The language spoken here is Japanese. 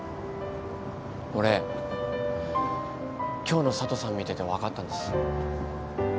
俺今日の佐都さん見てて分かったんです。